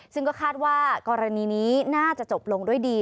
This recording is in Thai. ซึ่งก็คาดว่ากรณีนี้น่าจะจบลงด้วยดี